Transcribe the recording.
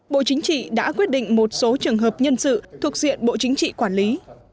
bộ chính trị đã quyết định một số trường hợp nhân sự thuộc diện bộ chính trị quản lý